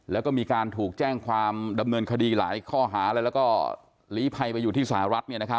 แล้วก็มีการถูกแจ้งความดำเนินคดีหลายข้อหาแล้วก็หลีภัยไปอยู่ที่สหรัฐ